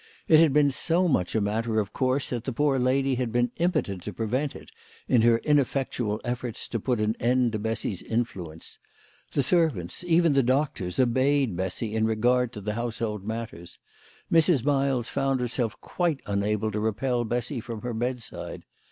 It had been so much a matter of course that the poor lady had been impotent to prevent it, in her ineffectual efforts to put an end to Bessy's influence. The servants, even the doctors, obeyed Bessy in regard to the household matters. Mrs. Miles found herself quite unable to repel Bessy from her bedside.